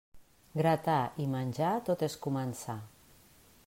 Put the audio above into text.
Gratar i menjar tot és començar.